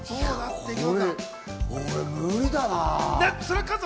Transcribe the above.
いや、俺、無理だな。